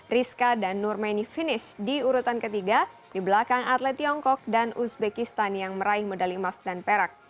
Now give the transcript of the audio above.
rizka dan nurmeni finish di urutan ketiga di belakang atlet tiongkok dan uzbekistan yang meraih medali emas dan perak